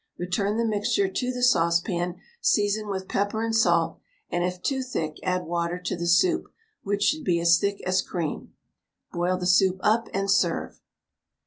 Return the mixture to the saucepan, season with pepper and salt, and if too thick add water to the soup, which should be as thick as cream. Boil the soup up, and serve.